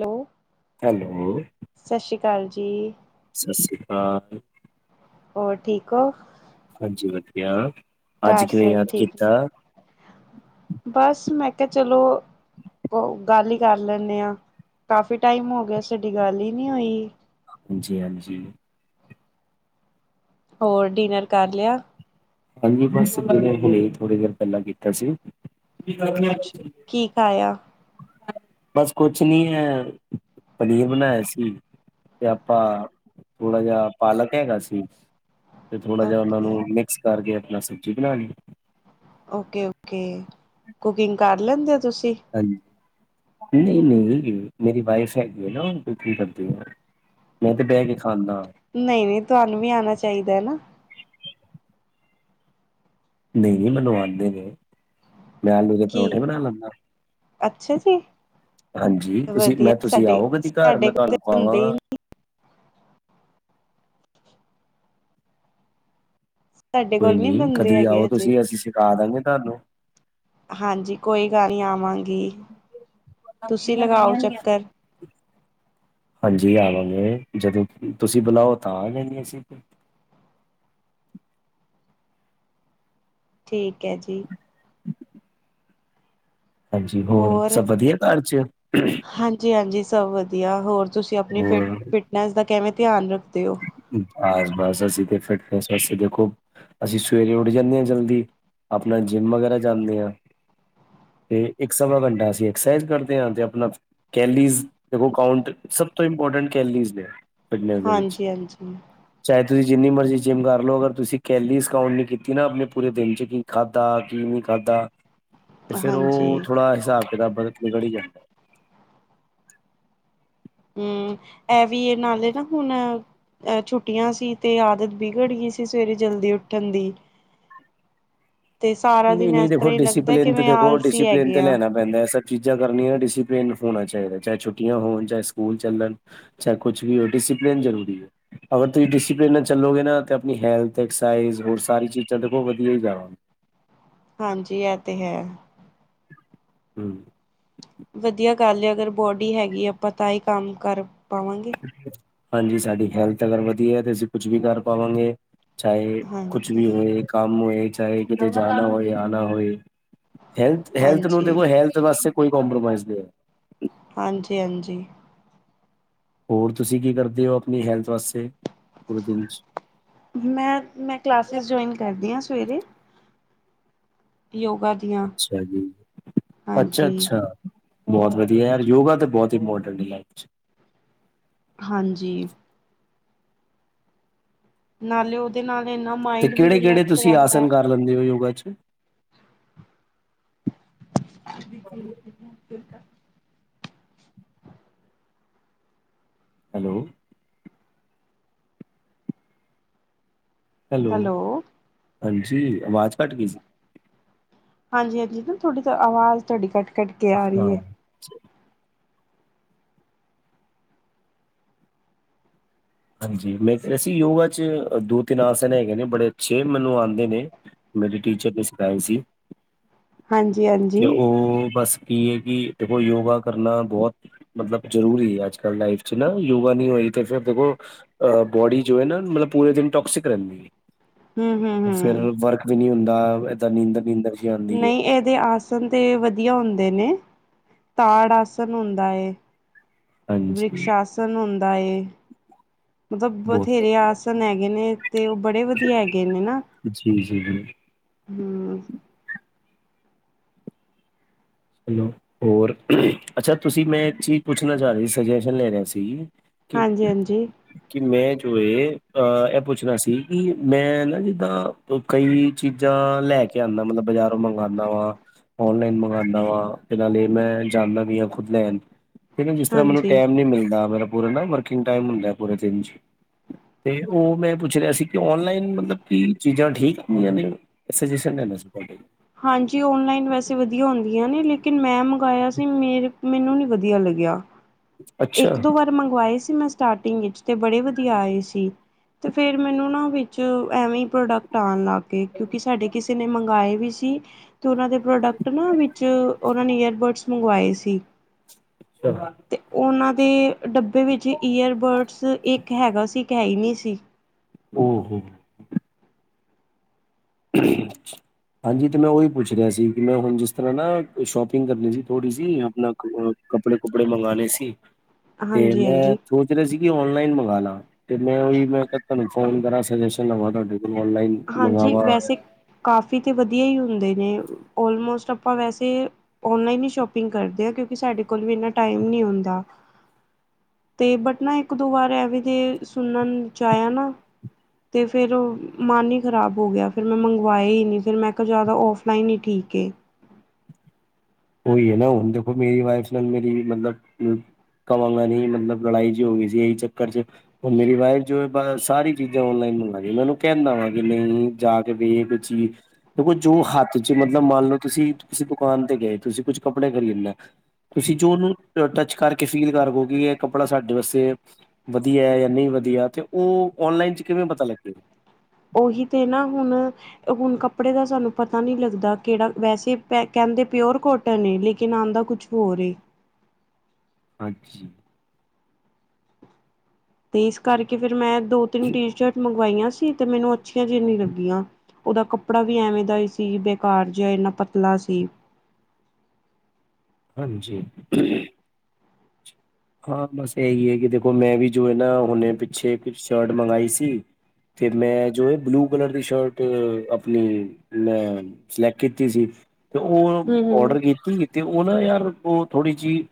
Hello hello [unintelligible] ਸਤਿ ਸ਼੍ਰੀ ਅਕਾਲ ਜੀ। ਸਤਿ ਸ਼੍ਰੀ ਅਕਾਲ‌। ਹੋਰ ਠੀਕ ਹੋ? ਹਾਂਜੀ ਵਧੀਆ, ਅੱਜ ਘਰ ਕਿਵੇਂ ਸਭ ਯਾਦ ਠੀਕ ਨੇ ਕੀਤਾ? ਬਸ, ਮੈਂ ਕਿਹਾ ਕਿਹਾ ਚਲੋ ਕੋ ਗੱਲ ਈ ਕਰ ਲੈਂਨੇ ਆ, ਕਾਫੀ ਟਾਇਮ ਹੋਗਿਆ, ਸਾਡੀ ਗੱਲ ਈ ਨਹੀਂ ਹੋਈ। ਹਾਂਜੀ-ਹਾਂਜੀ। ਹੋਰ, ਡਿਨਰ ਕਰ ਲਿਆ? ਹਾਂਜੀ ਬਸ, ਡਿਨਰ ਹੁਣੇ ਥੋੜੀ ਦੇਰ ਪਹਿਲਾ ਕੀਤਾ ਸੀ। ਕੀ ਕਰਨੈ? ਅੱਛਾ ਕੀ ਖਾਇਆ ਬਸ ਕੁਛ ਨੀ ਐ, ਪਨੀਰ ਬਣਾਇਆ ਸੀ। ਤੇ ਆਪਾ, ਥੋੜਾ ਜਾ ਪਾਲਕ ਹੈਗਾ ਸੀ। ਤੇ ਥੋੜਾ ਜਾ ਉਹਨਾ ਨੂੰ, ਓਕੇ ਮਿਕਸ ਕਰਕੇ ਆਪਣਾ ਸਬਜ਼ੀ ਬਣਾਲੀ। ਓਕੇ-ਓਕੇ, ਕੁਕਿੰਗ ਕਰ ਲੈਂਦੇ ਓ ਤੁਸੀ। ਹਾਂਜੀ, ਨਹੀਂ-ਨਹੀਂ, ਮੇਰੀ ਵਾਇਫ ਹੈਗੀ ਐਨਾ ਓ ਕੁਕਿੰਗ ਕਰਦੀ ਏ। ਮੈਂ ਤੇ ਬਹਿਕੇ ਖਾਂਨਾ। ਨਹੀਂ-ਨਹੀਂ, ਤੁਹਾਨੂੰ ਵੀ ਆਣਾ ਚਾਹੀਦਾ ਐ ਨਾ। ਨਹੀਂ-ਨਹੀਂ ਮੈਨੂੰ ਆਂਦੇ ਨੇ, ਮੈਂ ਆਲੂ ਦੇ ਕੀ ਪਰੌਂਠੇ ਬਣਾ ਲੈਂਦਾ। ਅੱਛਾ ਜੀ! ਹਾਂਜੀ ਤੁਸੀਂ ਵਧੀਆ, ਮੈਂ ਤੁਸੀਂ ਸਾਡੇ, ਆਓ ਕਦੀ ਘਰ ਸਾਡੇ ਮੈਂ ਤੁਹਾਨੂੰ ਖਵਾਵਾਂਗਾ ਬਣਦੇ ਈ ਨ ਸਾਡੇ ਕੋਈ ਕੋਲ ਨੀ ਨਈ ਬੰਦੇ ਕਦੀ ਹੈਗੇ ਆਓ ਹਜੇ ਤੁਸੀਂ ਅਸੀਂ ਸਿਖਾਦਾਗੇ ਤਾਨੂੰ। ਹਾਂਜੀ ਕੋਈ ਗੱਲ ਨਈ ਆਵਾਂਗੀ, ਤੁਸੀਂ ਲਗਾਓ ਚੱਕਰ। ਹਾਂਜੀ ਆਵਾਂਗੇ, ਜਦੋਂ ਤੁਸੀਂ ਬੁਲਾਓ ਤਾਂ ਆਜਾਗੇ ਅਸੀਂ। ਠੀਕ ਐ ਜੀ। ਹਾਂਜੀ ਹੋਰ ਸਭ ਵਧੀਆ ਘਰ ਚ ਜੀ ਹਾਂਜੀ ਸਭ ਵਧੀਆ, ਹੋਰ ਤੁਸੀਂ ਆਪਣੀ ਫਿਟ ਹੋਰ ਫਿਟਨੈਸ ਦਾ ਕਿਵੇਂ ਧਿਆਨ ਰੱਖਦੇ ਓ। ਆ ਬਸ ਅਸੀ ਤੇ ਫਿਟ ਆ, ਆ ਕੇ ਦੇਖੋ। ਅਸੀਂ ਸਵੇਰੇ ਉੱਠ ਜਾਂਦੇ ਆ ਜਲਦੀ, ਆਪਣਾ ਜਿੰਮ ਵਗੈਰਾ ਜਾਂਨੇ ਆ। ਤੇ ਇੱਕ ਸਵਾ' ਘੰਟਾ ਅਸੀਂ ਐਕਸਰਸਾਈਜ਼ ਕਰਦੇ ਆ, ਤੇ ਆਪਣਾ ਕੈਲੀਜ਼ ਦੇਖੋ ਕਾਊਂਟ ਸਭ ਤੋਂ ਇੰਪੋਰਟੈਂਟ ਕੈਲੀਜ਼ ਨੇ। ਫਿਟਨੈਸ ਦੇ ਵਿੱਚ ਹਾਂਜੀ-ਹਾਂਜੀ। ਚਾਹੇ ਤੁਸੀਂ ਜਿੰਨੀ ਮਰਜ਼ੀ ਜਿੰਮ ਕਰ ਲਓ, ਅਗਰ ਤੁਸੀਂ ਕੈਲੀਸ ਕਾਓਂਟ ਨਾ ਕੀਤੀ ਨਾ ਆਪਣੇ ਪੂਰੇ ਦਿਨ ਚ ਕੀ ਖਾਧਾ ਕੀ ਨਹੀਂ ਖਾਧਾ, ਤੇ ਫੇਰ ਉਹ ਹਾਂਜੀ ਥੋੜਾ ਹਿਸਾਬ- ਕਿਤਾਬ ਬ ਵਿਗੜ ਈ ਜਾਂਦਾ। ਹੁ, ਏ ਵੀ ਏ ਨਾਲੇ ਨਾ ਹੁਣ ਐ ਛੁੱਟੀਆਂ ਸੀ, ਤੇ ਆਦਤ ਵਿਗੜ ਗਈ ਸੀ ਸਵੇਰੇ ਜਲਦੀ ਉੱਠਣ ਦੀ। ਤੇ ਸਾਰਾ ਨਈ- ਦਿਨ ਨਈ ਇਸ ਦੇਖੋ ਤਰ੍ਹਾਂ ਹੀ ਲੱਗਦਾ ਡਸੀਪਲਿਨ ਤੇ ਕਿਵੇਂ ਦੇਖੋ ਆਲਸੀ ਡਸੀਪਲਿਨ ਹੈਗੇ ਤੇ ਆ ਲੈਣਾ ਪੈਂਦਾ, ਏਹ ਸਭ ਚੀਜ਼ਾਂ ਕਰਨੀਆਂ ਡਿਸਿਪਲਿਨ ਹੋਣਾ ਚਾਈਦਾ, ਚਾਹੇ ਛੁੱਟੀਆਂ ਹੋਣ ਚਾਹੇ ਸਕੂਲ ਚੱਲਣ। ਚਾਹੇ ਕੁਛ ਵੀ ਹੋ, ਡਿਸਿਪਲਨ ਜ਼ਰੂਰੀ ਏ। ਅਗਰ ਤੁਸੀਂ ਡਿਸਪਲਿਨ ਨਾਲ ਚੱਲੋਗੇ ਨਾ, ਤਾਂ ਆਪਣੀ ਹੈਲਥ, ਐਕਸਾਈਜ਼, ਹੋਰ ਸਾਰੀ ਚੀਜ਼ਾਂ ਦੇਖੋ ਵਧੀਆ ਈ ਜਾਵਾਂਗੇ। ਹਾਂਜੀ ਐ ਤੇ ਹੈ। ਹਮ [unintelligible] ਵਧੀਆ ਗੱਲ ਹੈ, ਅਗਰ ਬੋਡੀ ਹੈਗੀ ਆ, ਆਪਾਂ ਤਾਂ ਈ ਕੰਮ ਕਰ ਪਾਵਾਂਗੇ। ਹਾਂਜੀ ਸਾਡੀ ਹੈਲਥ ਅਗਰ ਵਧੀਆ ਤੇ ਅਸੀਂ ਕੁਛ ਵੀ ਕਰ ਪਾਵਾਂਗੇ। ਚਾਹੇ ਕੁਛ ਹਾਂਜੀ ਵੀ ਹੋਏ, ਕੰਮ ਹੋਏ, ਚਾਹੇ ਕਿਤੇ ਜਾਣਾ ਹੋਏ ਆਣਾ ਹੋਏ। ਹੈਲਥ- ਹੈਲਥ ਨੂੰ ਹਾਂਜੀ ਦੇਖੋ ਹੈਲਥ ਵਾਸਤੇ ਕੋਈ ਕੰਪ੍ਰੋਮਾਈਜ਼ ਨਹੀਂ ਐ। ਹਾਂਜੀ- ਹਾਂਜੀ। ਹੋਰ ਤੁਸੀਂ ਕੀ ਕਰਦੇ ਓ ਆਪਣੀ ਹੈਲਥ ਵਾਸਤੇ, ਪੂਰੇ ਦਿਨ ਚ? ਮੈਂ -ਮੈਂ ਕਲਾਸਿਸ ਜੁਆਇਨ ਕਰਦੀ ਆ ਸਵੇਰੇ। ਯੋਗਾ ਦੀਆਂ ਅੱਛਾ ਜੀ, ਅੱਛਾ ਹਾਂਜੀ -ਅੱਛਾ। ਬੋਤ ਵੱਧੀਆ, ਯੋਗਾ ਤਾਂ ਬੋਤ ਇੰਪੋਰਟੈਂਟ ਐ ਲਾਈਫ'ਚ। ਹਾਂਜੀ। ਨਾਲੇ ਓਦੇ ਨਾਲ ਏਨਾ ਮਾਇੰਡ ਵੀ ਰਿਲੈਕਸ ਰੈਂਦਾ। - ਵੀ ਯੋਗਾ' ਚ। [inaudible] ਹੈਲੋ ਹੈਲੋ -ਹਾਂਜੀ ਆਵਾਜ਼ ਕਟ ਗਈ ਸੀ। ਹਾਂਜੀ- ਹਾਂਜੀ ਨਾ ਤੋਹਾਡੀ ਤਾ ਆਵਾਜ਼ ਤੋਹਾਡੀ ਕੱਟ -ਕੱਟ ਕੇ ਆ, ਰੀ, ਹਾਂ ਏ। ਹਾਂਜੀ ਮੈਂ ਕਿਆ ਸੀ ਯੋਗਾ 'ਚ ਦੋ ਤਿੰਨ ਆਸਨ ਹੈਗੇ ਨੇ ਬੜੇ ਅੱਛੇ, ਮੈਨੂੰ ਆਂਦੇ ਨੇ। ਮੇਰੇ ਟੀਚਰ ਨੇ ਸਿਖਾਏ ਸੀ। ਹਾਂਜੀ- ਹਾਂਜੀ। ਤੇ ਓ ਬਸ ਕੀ, ਏ, ਕੀ, ਦੇਖੋ ਯੋਗਾ ਕਰਨਾ ਬੋਤ- ਮਤਲਬ ਜਰੂਰੀ ਏ ਅੱਜ ਕਲ ਲਾਈਫ 'ਚ ਨਾ, ਯੋਗਾ ਨੀ ਹੋਏ ਗੀ ਤੇ ਫੇਰ ਦੇਖੋ ਅ ਬੋਡੀ ਜੋ ਐ ਨਾ ਮਤਲਬ ਪੂਰੇ ਦਿਨ ਟੋਕਸਿਕ ਰੈਂਦੀ ਹੂੰ ਹੂੰ ਏ। ਹੂੰ ਸਵੇਰੇ ਵਰਕ ਵੀ ਨੀ ਹੁੰਦਾ ਏਦਾਂ ਨੀਂਦਰ- ਨੀਂਦਰ ਜੀ ਆਉਂਦੀ ਹੈ ਨਹੀਂ ਏਦੇ ਆਸ- ਆਸਨ ਤੇ ਵਧੀਆ ਹੁੰਦੇ ਨੇ। ਤਾੜ ਆਸਣ ਹੁੰਦਾ ਏ ਹਾਂਜੀ ਵ੍ਰਿਕਸ਼ਾਸਨ ਹੁੰਦਾ ਏ। ਮਤਲਬ ਬਹੁਤ ਬਥੇਰੇ ਵਧੀਆ ਆਸਨ ਹੈਗੇ ਨੇ ਤੇ ਓ ਬੜੇ ਵਦੀਆ ਹੈਗੇ ਨੇ ਨਾ ਜੀ- ਜੀ- ਜੀ। ਹੰ ਹੈਲੋ ਹੋਰ ਅੱਛਾ ਤੁਸੀਂ ਮੈਂ ਇੱਕ ਚੀਜ਼ ਪੁੱਛਣਾ ਚਾ ਰੈਆ ਸੀ ਸਜੈਸ਼ਨ ਲੈ ਰਿਆ ਸੀ ਕਿ ਹਾਂਜੀ ਹਾਂਜੀ ਕਿ ਮੈਂ ਜੋ ਏ ਅਹ ਐ ਪੁੱਛਣਾ ਸੀ ਕੀ ਮੈਂ ਨਾ ਜਿੱਦਾਂ ਕਈ ਚੀਜ਼ਾਂ ਲੈ ਕੇ ਆਂਨਾ ਮਤ਼ਲਬ ਬਾਜ਼ਾਰੋਂ ਮੰਗਵਾਂਨਾ ਵਾ ਔਨਲਾਈਨ ਮੰਗਾ ਵਾ ਤੇ ਨਾਲੇ ਮੈਂ ਜਾਨਾ ਵੀ ਆਂ ਖੁਦ ਲੈਨ ਫੇਰ ਨਾ ਜਿਸਰ੍ਹਾਂ ਮੈਨੂੰ ਹਾਂਜੀ ਟੈਮ ਨੀ ਮਿਲਦਾ ਮੇਰਾ ਪੂਰਾ ਨਾ ਵਰਕਿੰਗ ਟੈਮ ਹੁੰਦਾ ਏ ਪੂਰੇ ਦਿਨ ਚ ਤੇ ਓ ਮੈਂ ਪੁੱਛ ਰਿਆ ਸੀ ਕੀ ਔਨਲਾਈਨ ਮਤਲਬ ਕੀ ਚੀਜ਼ਾਂ ਠੀਕ ਹੁੰਦੀਆਂ ਨੇ ਸਜੇਸ਼ਨ ਲੇਣਾ ਸੀ ਤੁਹਾਡੇ ਕੋ ਹਾਂਜੀ ਔਨਲਾਈਨ ਵੈਸੇ ਵਦੀਆ ਹੁੰਦੀਆਂ ਨੇ। ਲੇਕਿਨ ਮੈਂ ਮੰਗਾਆ ਸੀ ਮੇਰੇ- ਮੈਨੂੰ ਨੀ ਵਦੀਆ ਲੱਗਿਆ ਇੱਕ ਦੋ ਅੱਛਾ ਵਾਰ ਮੰਗਵਾਏ ਸੀ ਮੈਂ ਸਟਾਰਟਿੰਗ ਵਿਚ ਤੇ ਬੜੇ ਵਦੀਆ ਆਏ ਸੀ ਤੇ ਫੇਰ ਮੈਨੂੰ ਨਾ ਵਿੱਚ ਐਵੇਂ ਈ ਪ੍ਰੋਡਕਟ ਆਨ ਲੱਗ ਕੇ ਕਿਉਂਕਿ ਸਾਡੇ ਕਿਸੇ ਨੇ ਮੰਗਾਏ ਵੀ ਸੀ ਤੇ ਓਨਾਂ ਦੇ ਪ੍ਰੋਡਕਟ ਨਾ ਵਿੱਚ ਓਨਾਂ ਨੇ ਏਅਰਬਡਸ ਮੰਗਵਾਏ ਸੀ [inaudible] ਓਨਾਂ ਦੇ ਡੱਬੇ ਵਿੱਚ ਈਅਰਬਡਸ ਇੱਕ ਹੈਗਾ ਸੀ। ਇੱਕ ਹੈ ਈ ਨੀ ਸੀ ਓ ਹੋ [unintelligible] ਹਾਂਜੀ ਤੇ ਮੈਂ ਓਈ ਪੁੱਛ ਰਿਆ ਸੀ ਕੀ ਮੈਂ ਹੁਣ ਜਿਸ ਤਰ੍ਹਾਂ ਨਾ ਸ਼ੋਪਿੰਗ ਕਰਨੀ ਸੀ ਥੋੜ੍ਹੀ ਸੀ ਆਪਣਾ ਕੱਪੜੇ-ਕੁੱਪੜੇ ਮੰਗਾਨੇ ਸੀ। ਤੇ ਮੈਂ ਹਾਂਜੀ-ਹਾਂਜੀ ਸੋਚ ਰਿਆ ਸੀ ਕੀ ਓਨਲਾਈਨ ਮੰਗਾਲਾ ਤੇ ਮੈਂ ਉਈ ਮੇ ਕਿਆ ਮੈਂ ਤਾਨੂੰ ਫੋਨ ਕਰਾ ਸਜੈਸ਼ਨ ਲਵਾਂ ਤੁਆਡੇ ਕੋਲ ਔਨਲਾਈਨ ਹਾਂਜੀ ਮੰਗਾਵਾ ਵੈਸੇ ਕਾਫੀ ਤੇ ਵਦੀਆ ਈ ਹੁੰਦੇ ਨੇ ਓਲਮੋਸਟ ਆਪਾਂ ਵੈਸੇ ਓਨਲਾਈਨ ਈ ਸ਼ੋਪਿੰਗ ਕਰਦੇ ਆਂ। ਕਿਉਂਕਿ ਸਾਡੇ ਕੋਲ ਵੀ ਏਨਾ ਟਾਈਮ ਨੀ ਹੁੰਦਾ ਤੇ ਬਟ ਨਾ ਇੱਕ ਦੋ ਵਾਰ ਐਵੀ ਤੇ ਸੁਣਨ ਚ ਆਇਆ ਨਾ। ਤੇ ਫੇਰ ਓ। ਮਨ ਈ ਖ਼ਰਾਬ ਹੋ ਗਿਆ। ਫੇਰ ਮੈਂ ਮੰਗਵਾਏ ਈ ਨੀ। ਫੇਰ ਮੈਂ ਕਿਆ ਜਾਦਾ ਔਫਲਾਈਨ ਈ ਠੀਕ ਏ ਓਈ ਏ ਨਾ ਹੁਣ ਦੇਖੋ ਮੇਰੀ ਵਾਈਫ ਨਾਲ ਮੇਰੀ ਮਤਲਬ ਕੀ ਕਵਾਂਗਾ ਨੀ ਮਤਲਬ ਲੜਾਈ ਜੀ ਹੋ ਗਈ ਸੀ ਏਈ ਚੱਕਰ ਚ ਹੁਣ ਮੇਰੀ ਵਾਈਫ ਜੋ ਸਾਰੀ ਚੀਜ਼ਾਂ ਔਨਲਾਈਨ ਮੰਗਾਂਦੀ, ਮੈਂ ਉਹਨੂੰ ਕਹਿੰਨਾ ਵਾ ਕਿ ਨੀ ਜਾ ਕੇ ਬਈਏ ਕੋ ਚੀਜ਼ ਦੇਖੋ ਜੋ ਹੱਥ 'ਚ ਮਤਲਬ ਮੰਨ ਲਓ ਤੁਸੀਂ ਕਿਸੇ ਦੁਕਾਨ ਤੇ ਗਏ, ਤੁਸੀਂ ਕੁੱਝ ਕੱਪੜੇ ਖਰੀਦਨਾ ਤੁਸੀਂ ਜੋ ਉਹਨੂੰ ਟੱਚ ਕਰਕੇ ਫੀਲ ਕਰੋ ਕਿ ਇਹ ਕੱਪੜਾ ਸਾਡੇ ਵਾਸਤੇ ਵਦੀਆ ਜਾਂ ਨਹੀਂ ਵਦੀਆ ਤੇ, ਉਹ ਔਨਲਾਈਨ ਚ ਕਿਵੇਂ ਪਤਾ ਲੱਗੇ ਉਹੀ ਤੇ ਨਾ ਹੁਣ ਹੁਣ ਕੱਪੜੇ ਦਾ ਸਾਨੂੰ ਪਤਾ ਨੀ ਲੱਗਦਾ, ਕਿਹੜਾ ਵੈਸੇ ਪ ਕਹਿੰਦੇ ਪਿਓਰ ਕੋਟਨ ਐ, ਲੇਕਿਨ ਆੰਦਾ ਕੁਛ ਹੋਰ ਏ ਅਛਾ ਤੇ ਇਸ ਕਰਕੇ ਫਿਰ ਮੈਂ ਦੋ ਤਿੰਨ ਟੀ ਸ਼ਰਟ ਮੰਗਵਾਈਆਂ ਸੀ, ਤੇ ਮੈਨੂੰ ਅੱਛੀਆਂ ਜੀ ਨੀ ਲੱਗੀਆਂ ਉਹਦਾ ਕੱਪੜਾ ਵੀ ਐਵੇਂ ਦਾ ਹੀ ਸੀ, ਬੇਕਾਰ ਜੇਆ ਇੰਨਾ ਪਤਲਾ ਸੀ ਹਾਂਜੀ। ਹਾਂ ਬਸ ਇਹੀ ਐ, ਕਿ ਦੇਖੋ ਮੈਂ ਵੀ ਜੋ ਐ ਨਾ ਹੁਣੇੇ ਪਿੱਛੇ ਇਕ ਸ਼ਰਟ ਮੰਗਾਈ ਸੀ। ਤੇ ਮੈਂ ਜੋ ਐ ਬਲੂ ਕਲਰ ਦੀ ਸ਼ਰਟ ਆਪਣੀ ਮੈਂ ਸਿਲੈਕ ਕੀਤੀ ਸੀ। ਤੇ ਓ ਹੂੰ-ਹੂੰ। ਔਡਰ ਕੀਤੀ ਤੇ ਓ ਨਾ ਯਾਰ, ਓ ਥੋੜ੍ਹੀ ਜਿਹੀ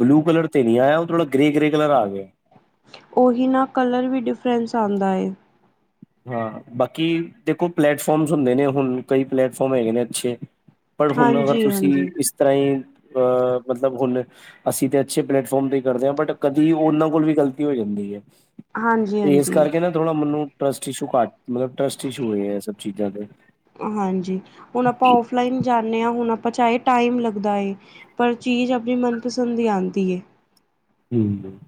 ਬਲੂ ਕਲਰ ਤੇ ਨੀ ਆਇਆ, ਉਹ ਥੋੜਾ ਗੇਰੈ- ਗਰੈ ਕਲਰ ਆ ਗਿਆ। ਉਹੀ ਨਾ ਕਲਰ ਵੀ ਡਿਫਰੈਂਸ ਆਦਾ ਐ। ਹਾਂ, ਬਾਕੀ ਦੇਖੋ ਪਲੇੈਟਫੋਮਸ ਹੁੰਦੇ ਨੇ, ਹੁਣ ਕਈ ਪਲੇਟਫੋਮ ਹੈਗੇ ਨੇ ਅੱਛੇ। ਪਰ ਹੁਣ ਅਗਰ ਤੁਸੀਂ ਹਾਂਜੀ-ਹਾਂਜੀ। ਇਸ ਤਰ੍ਹਾਂ ਈ, ਅਹ ਮਤਲਬ ਹੁਣ ਅਸੀਂ ਤੇ ਅੱਛੇ ਪਲੇਟਫੋਮ ਤੇ ਕਰਦੇ ਆ, ਬਟ ਕਦੀ ਉਹਨਾਂ ਕੋਲ ਵੀ ਗ਼ਲਤੀ ਹੋ ਜਾਂਦੀ ਐ। ਤੇ ਇਸ ਹਾਂਜੀ-ਹਾਂਜੀ, ਹਾਂਜੀ। ਹਾਂਜੀ ਕਰਕੇ ਨਾ ਥੋੜ੍ਹਾ ਮੈਨੂੰ ਟਰੱਸਟ ਇਸ਼ੂ ਕੱਟ, ਮਤਲਬ ਟਰੱਸਟ ਇਸ਼ੂ ਹੋਏ ਐ, ਇਹ ਸਭ ਚੀਜ਼ਾਂ ਤੋ। ਹਾਂਜੀ, ਹੁਣ ਆਪਾਂ ਉ ਫਲਾਈਨ ਜਾਂਨੇ ਆ, ਹੁਣ ਆਪਾਂ ਚਾਹੇ ਟਾਈਮ ਲੱਗਦਾ ਏ, ਪਰ ਚੀਜ਼ ਆਪਣੀ ਮਨਪਸੰਦ ਦੀ ਆਦੀ ਏ। ਹੂੰ ਮ ਮ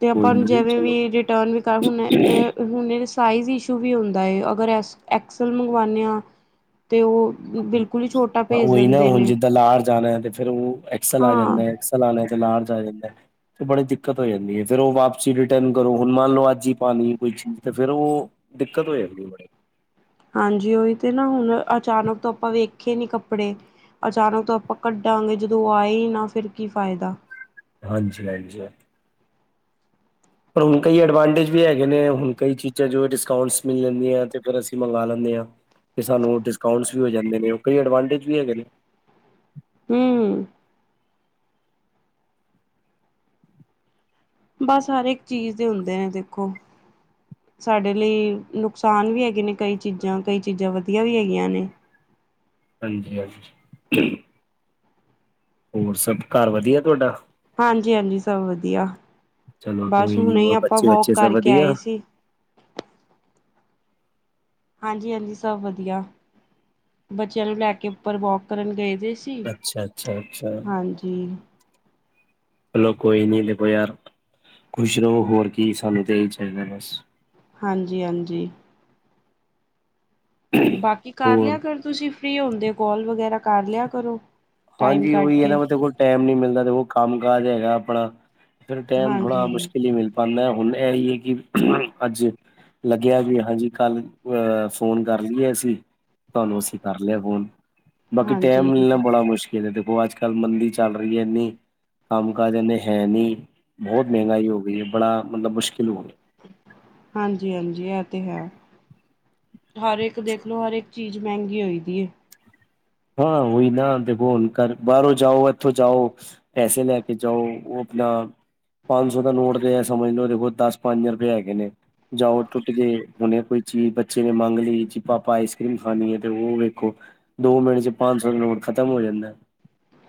ਤੇ ਆਪਾਂ ਜਿਵੇਂ ਵੀ ਰਿਟਰਨ ਵੀ ਕਰ ਹੁਨੇ, ਇਹ ਹੁਣ ਸਾਈਜ਼ ਇਸ਼ੂ ਵੀ ਹੁੰਦਾ ਐ, ਅਗਰ ਅਸ ਐਕਸਲ ਮੰਗਵਾਨੇ ਆ ਤੇ ਉਹ ਬਿਲਕੁਲ ਹੀ ਛੋਟਾ ਭੇਜ ਉਹੀ ਨਾ, ਦਿੰਦੇ ਹੁਣ ਨੇ ਜਿੱਦਾਂ ਲਾਰਜ ਆਣਾ ਐ ਤੇ ਫੇਰ ਉਹ ਐਕਸਲ ਆ ਹਾਂ ਜਾਂਦਾ ਐ। ਐਕਸਲ ਆਣਾ ਤੇ ਲਾਰਜ ਆ ਜਾਂਦੇ ਐ। ਤੇ ਬੜੀ ਦਿੱਕਤ ਹੋ ਜਾਂਦੀ ਐ, ਫਿਰ ਉਹ ਵਾਪਸੀ ਰਿਟਰਨ ਕਰੋ, ਹੁਣ ਮੰਨ ਲਓ ਅੱਜ ਈ ਪਾਨੀ ਕੋਈ ਚੀਜ਼ ਤੇ ਫਿਰ ਉਹ ਦਿੱਕਤ ਹੋ ਜਾਂ ਦੇ ਬੜੇ। ਹਾਂਜੀ, ਉਹੀ ਤੇ ਨਾ ਹੁਣ ਅਚਾਨਕ ਤੋਂ ਆਪਾਂ ਵੇਖੇ ਨੀ ਕੱਪੜੇ। ਅਚਾਨਕ ਤੋਂ ਆਪਾਂ ਕੱਢਾਂਗੇ, ਜਦੋਂ ਉਹ ਆਏ ਈ ਨਾ ਫਿਰ ਕੀ ਫਾਇਦਾ। ਹਾਂਜੀ ਹਾਂਜੀ, ਹਾਜੀ। ਪਰ ਹੁਣ ਕਈ ਐਡਵਾਂਟੇਜ ਵੀ ਹੈਗੇ ਨੇ, ਹੁਣ ਕਈ ਚੀਜ਼ਾਂ ਜੋ ਡਿਸਕਾਊਂਟਸ ਮਿਲ ਜਾਂਦੀਆਂ, ਤੇ ਫਿਰ ਅਸੀਂ ਮੰਗਾ ਲੈਂਨੇ ਆ। ਕਿ ਸਾਨੂੰ ਡਿਸਕਾਊਂਟਸ ਵੀ ਹੋ ਜਾਂਦੇ ਨੇ, ਕਈ ਐਡਵਾਂਟੇਜ ਵੀ ਹੈਗੇ ਨੇ। ਹੂੰਮ ਬਸ ਹਰ ਇੱਕ ਚੀਜ਼ ਦੇ ਹੁੰਦੇ ਐ ਦੇਖੋ। ਸਾਡੇ ਲਈ ਨੁਕਸਾਨ ਵੀ ਹੈਗੇ ਨੇ ਕਈ ਚੀਜ਼ਾਂ, ਕਈ ਚੀਜ਼ਾਂ ਵਧੀਆ ਵੀ ਹੈਗੀਆਂ ਨੇ। ਹਾਂਜੀ, ਹਾਂਜੀ। ਹੋਰ ਸਭ ਘਰ ਵਧੀਆ ਤੁਆਡਾ? ਹਾਂਜੀ, ਹਾਂਜੀ ਸਭ ਵਧੀਆ, ਚਲੋ ਬਸ ਕੋਈ ਨੀ ਹੁਣੇ ਹੀ ਹੋਰ ਆਪਾਂ ਬੱਚੇ ਵੋਕ ਬੱਚੇ ਸਭ ਕਰਕੇ ਵਧੀਆ। ਆਏ ਸੀ। ਹਾਂਜੀ, ਹਾਂਜੀ ਸਭ ਵਧੀਆ, ਬੱਚਿਆਂ ਨੂੰ ਲੈ ਕੇ ਉੱਪਰ ਵੋਕ ਕਰਨ ਗਏ ਜੇ ਸ ਸੀ, ਅੱਛਾ ਅੱਛਾ ਅੱਛਾ ਹਾਂਜੀ। ਚਲੋਂ ਕੋਈ ਨੀ ਦੇਖੋ ਯਾਰ, ਖੁਸ਼ ਰਹੋ ਹੋਰ ਕੀ ਸਾਨੂੰ ਤਾਂ ਏਹੀ ਚਾਹੀਦਾ ਬਸ। ਹਾਂਜੀ, ਹਾਂਜੀ। ਬਾਕੀ ਕਰ ਲਿਆ ਹੋਰ ਕਰ, ਤੁਸੀਂ ਫ੍ਰੀ ਹੁੰਦੇ, ਕੋਲ ਵਗੈਰਾ ਕਰ ਲਿਆ ਕਰੋ। ਟਾਈਮ ਹਾਂਜੀ ਕੱਢ ਉਹੀ ਐ ਨਾ, ਕੇ ਦੇਖੋ ਟਾਈਮ ਨੀ ਮਿਲਦਾ ਦੇਖ ਕੰਮ ਕਾਜ ਹੈਗਾ ਆਪਣਾ। ਫਿਰ ਟਾਈਮ ਹਾਂਜੀ ਥੋੜਾ ਹਾਂਜੀ ਮੁਸ਼ਕਿਲ ਈ ਮਿਲ ਪਾਦਾ, ਹੁਣ ਇਹ ਹੀ ਹੈ ਕਿ ਅੱਜ ਲੱਗਿਆ ਵੀ ਹਾਂਜੀ, ਕੱਲ ਅਹ ਫੋਨ ਕਰ ਲਈਏ ਅਸੀਂ। ਤਾਨੂੰ ਅਸੀਂ ਕਰ ਲਿਆ ਫੋਨ, ਬਾਕੀ ਟੈਮ ਹਾਂਜੀ ਮਿਲਣਾ ਬੜਾ ਮੁਸ਼ ਦੇਖੋ ਅੱਜ- ਕੱਲ੍ਹ ਮੰਦੀ ਚੱਲ ਰਹੀ ਐ, ਇੰਨੀ ਕੰਮ- ਕਜ ਇਨੇ ਹੈ ਨਹੀਂ, ਬਹੁਤ ਮਹਿੰਗਾਈ ਹੋ ਗਈ ਐ, ਬੜਾ ਮਤਲਬ ਮੁਸ਼ਕਿਲ ਹੋ ਗਿਆ। ਹਾਂਜੀ- ਹਾਂਜੀ ਇਹ ਤੇ ਹੈ। ਹਰ ਇੱਕ ਦੇਖ ਲਓ, ਹਰ ਇੱਕ ਚੀਜ਼ ਮਹਿੰਗੀ ਹੋਈਦੀ ਐ। ਹਾਂ ਉਈ ਨਾ ਦੇਖੋ ਹੁਣ, ਕਰ ਬਾਹਰੋਂ ਜਾਓ ਇੱਥੋਂ ਜਾਓ ਪੈਸੇ ਲੈ ਕੇ ਜਾਓ, ਉਹ ਆਪਣਾ ਪੰਜ ਸੌ ਦਾ ਨੋਟ ਤੇ ਏ ਸਮਝ ਲਓ, ਦੇਖ ਲਓ ਦਸ ਪੰਜ ਰੁਪਏ ਹੈਗੇ ਨੇ ਜਾਓ ਟੁੱਟ ਗਏ ਹੁਨੇ ਕੋਈ ਚੀਜ਼ ਬੱਚੇ ਨੇ ਮੰਗ ਲਈ, ਜੀ ਪਾਪਾ ਆਈਸ ਕ੍ਰੀਮ ਖਾਣੀ ਹੈ, ਤੇ ਉਹ ਵੇਖੋ ਦੋ ਮਿੰਟ ਚ ਪੰਜ ਸੌ ਨੋਟ ਖਤਮ ਹੋ ਜਾਂਦਾ ਆ।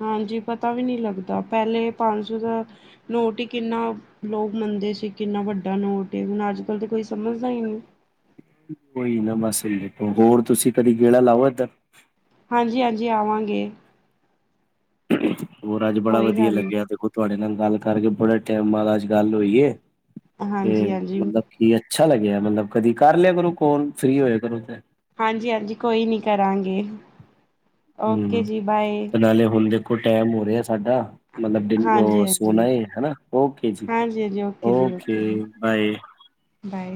ਹਾਂਜੀ ਪਤਾ ਵੀ ਨਹੀਂ ਲੱਗਦਾ ਪਹਿਲੇ ਪੰਜ ਸੌ ਦਾ ਨੋਟ ਹੀ ਕਿੰਨਾ ਲੋਕ ਮੰਨਦੇ ਸੀ ਕਿੰਨਾ ਵੱਡਾ ਨੋਟ ਏ, ਹੁਣ ਅੱਜ ਕੱਲ ਤਾਂ ਕੋਈ ਸਮਝਦਾ ਹੀ ਨਹੀਂ ਕੋਈ ਨਾ ਬਸ ਸਹੀ ਐ ਹੋਰ ਤੁਸੀਂ ਕਦੀ ਗੇੜਾ ਲਾਓ ਇਧਰ ਹਾਂਜੀ- ਹਾਂਜੀ ਆਵਾਂਗੇ। ਹੋਰ ਅੱਜ ਬੜਾ ਕੋਈ ਵਧੀਆ ਗੱਲ ਨਹੀਂ ਲੱਗਿਆ, ਦੇਖੋ ਤੁਹਾਡੇ ਨਾਲ ਗੱਲ ਕਰਕੇ ਬੜੇ ਟਾਈਮ ਬਾਅਦ ਅੱਜ ਗੱਲ ਹੋਈ ਏ। ਤੇ ਹਾਂਜੀ ਹਾਂਜੀ ਮਤਲਬ ਕੀ ਅੱਛਾ ਲੱਗਿਆ ਮਤਲਬ ਕਦੀ ਕਰ ਲਿਆ ਕਰੋ ਕੋਲ ਫ੍ਰਰੀ ਹੋਇਆ ਕਰੋ ਤੇ ਹਾਂਜੀ- ਹਾਂਜੀ ਕੋਈ ਨੀ ਕਰਾਂਗੇ। ਓਕੇ ਹੂੰ ਜੀ ਬਾਏ ਨਾਲੇ ਹੁਣ ਦੇਖੋ ਟੈਮ ਹੋ ਰਿਹਾ ਸਾਡਾ ਮਤਲਬ ਦਿਨ ਹਾਂਜੀ ਹਾਂਜੀ ਸੋਣਾ ਏ, ਹਨਾ ਓਕੇ ਜੀ ਹਾਂਜੀ ਹਾਂਜੀ ਜੀ ਓਕੇ ਬਾਏ। ਬਾਏ।